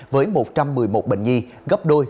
với một trăm một mươi một bệnh nhi gấp đôi